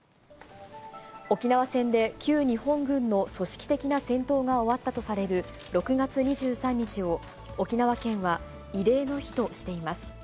沖縄戦で旧日本軍の組織的な戦闘が終わったとされる、６月２３日を、沖縄県は、慰霊の日としています。